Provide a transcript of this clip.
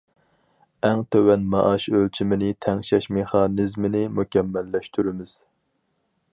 ئەڭ تۆۋەن مائاش ئۆلچىمىنى تەڭشەش مېخانىزمىنى مۇكەممەللەشتۈرىمىز.